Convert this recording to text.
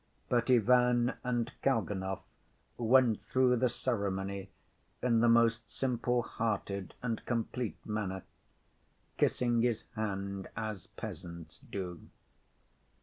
But Ivan and Kalganov went through the ceremony in the most simple‐hearted and complete manner, kissing his hand as peasants do.